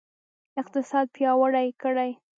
اقتصاد پیاوړی کړئ